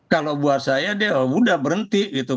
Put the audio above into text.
kalau buat saya dia udah berhenti gitu